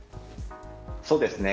そうですね。